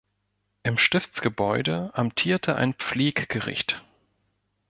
Im Stiftsgebäude amtierte ein Pfleggericht.